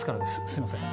すいません